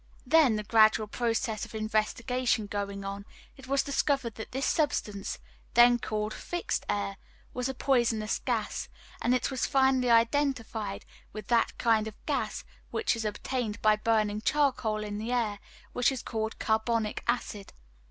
Then, the gradual process of investigation going on, it was discovered that this substance, then called "fixed air," was a poisonous gas, and it was finally identified with that kind of gas which is obtained by burning charcoal in the air, which is called "carbonic acid."